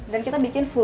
dan kita bikin